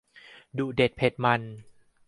ดุเด็ดเผ็ดมัน